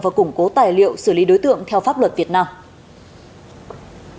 và củng cố tài liệu xử lý đối tượng theo pháp luật việt nam